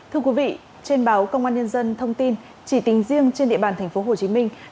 thưa quý vị trên báo công an nhân dân thông tin chỉ tính riêng trên địa bàn tp hcm